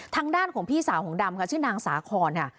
ทางด้านของพี่สาวของดำค่ะชื่อนางสาคอนค่ะ